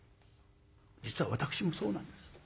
実は私もそうなんです。